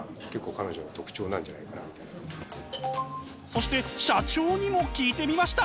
そして社長にも聞いてみました。